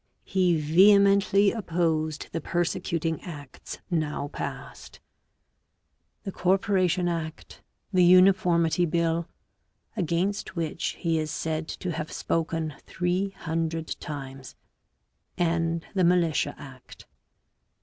He vehe mently opposed the persecuting acts now passed ŌĆö the Corpora tion Act, the Uniformity Bill, against which he is said to have spoken three hundred times, and the Militia Act.